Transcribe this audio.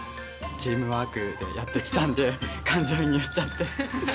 チームワークでやってきたんで感情移入しちゃって。